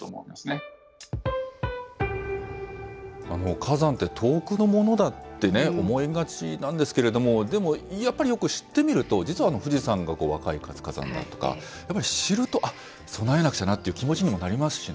火山って、遠くのものだってね、思いがちなんですけれども、でも、やっぱりよく知ってみると、実は富士山が若い活火山だとか、やっぱり知ると、あっ、備えなくちゃなっていう気持ちにもなりますしね。